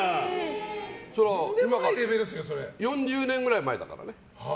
今から４０年くらい前だからね。